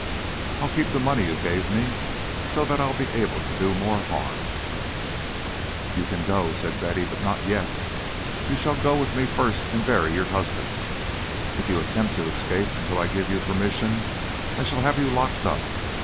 I'll keep the money you gave me, so that I'll be able to do more harm " "You can go," said Betty, "but not yet. You shall go with me first and bury your husband. If you attempt to escape until I give you permission, I shall have you locked up.